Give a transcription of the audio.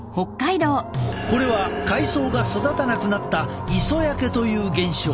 これは海藻が育たなくなった磯焼けという現象。